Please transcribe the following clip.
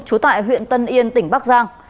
trú tại huyện tân yên tỉnh bắc giang